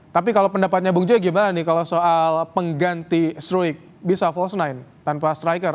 tapi kalau pendapatnya bung joy gimana nih kalau soal pengganti struik bisa false sembilan tanpa striker